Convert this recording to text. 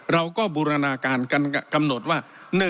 เราก็บูรณาการกำหนดว่า